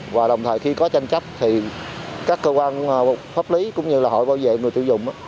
và đồng thời khi có tranh chấp thì các cơ quan pháp lý cũng như là hội bảo vệ người tiêu dùng